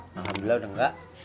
alhamdulillah udah nggak